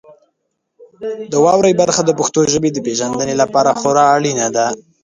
د واورئ برخه د پښتو ژبې د پیژندنې لپاره خورا اړینه ده.